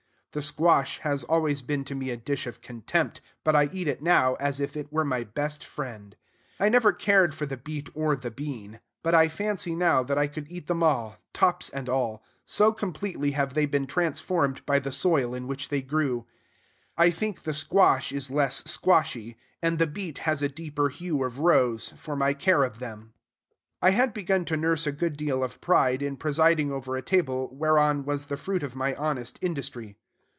The squash has always been to me a dish of contempt; but I eat it now as if it were my best friend. I never cared for the beet or the bean; but I fancy now that I could eat them all, tops and all, so completely have they been transformed by the soil in which they grew. I think the squash is less squashy, and the beet has a deeper hue of rose, for my care of them. I had begun to nurse a good deal of pride in presiding over a table whereon was the fruit of my honest industry.